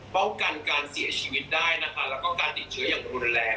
เบ้ากันการเสียชีวิตได้และการติดเชื้ออย่างรุนแรง